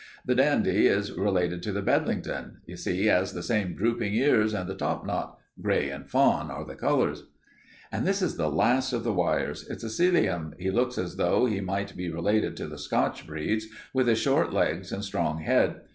The Dandie is related to the Bedlington. You see he has the same drooping ears and the topknot. Gray and fawn are the colors. "This is the last of the wires. It's a Sealyham. He looks as though he might be related to the Scotch breeds, with his short legs and strong head.